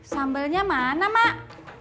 sambelnya mana mak